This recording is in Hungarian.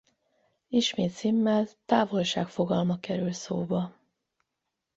Ismét Simmel távolság fogalma kerül szóba.